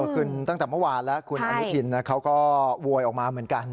ขึ้นตั้งแต่เมื่อวานแล้วคุณอนุทินเขาก็โวยออกมาเหมือนกัน